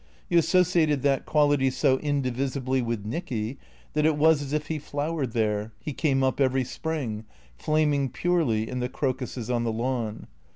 You associated that quality so indivisibly with Nicky that it was as if he flowered there, he came up every spring, flaming purely, in the crocuses on the lawn.